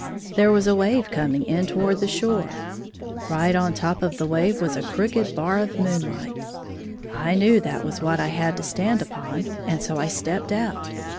There was a wave coming in toward the shore. Right on top of the wave was a crooked har of moonhght. I knew that was what I had to stand upon, and so I stepped out.